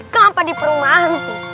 kenapa di perumahan sih